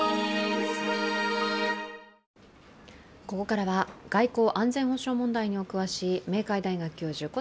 ここからは外交・安全保障問題にお詳しい明海大学教授